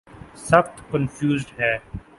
سخت کنفیوزڈ ہیں۔